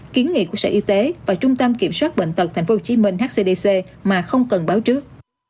kiến nghị của sở y tế và trung tâm kiểm soát bệnh tật tp hcm hcdc mà không cần báo trước